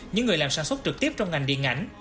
những người làm sản xuất trực tiếp trong ngành điện ảnh